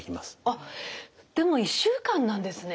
あっでも１週間なんですね。